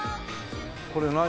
これ何？